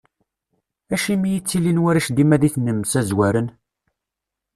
Acimi i ttilin warrac dima d inemsazwaren?